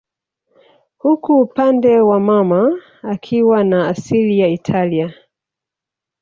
huku upande wa mama akiwa na asili ya Italia